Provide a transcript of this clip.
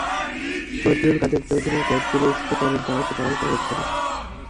ফজলুল কাদের চৌধুরীর পর তিনি স্পিকারের দায়িত্ব পালন করেছেন।